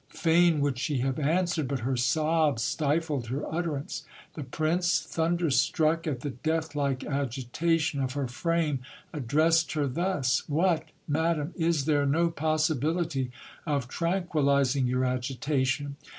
Fain would she have answered, but her sobs stifled her utterance. The prince, thunderstruck at the death like agitation of her frame, addressed her thus. What, madam, is there no possibility of tranquillizing your agitation?